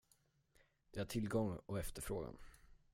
Det är tillgång och efterfrågan.